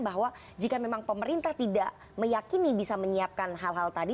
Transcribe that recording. bahwa jika memang pemerintah tidak meyakini bisa menyiapkan hal hal tadi